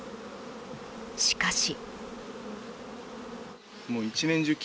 しかし。